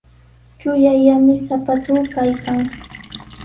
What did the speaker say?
Chullallami sapatuu kaykan.